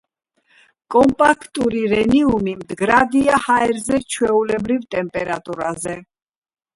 კომპაქტური რენიუმი მდგრადია ჰაერზე ჩვეულებრივ ტემპერატურაზე.